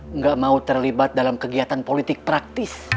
nggak mau terlibat dalam kegiatan politik praktis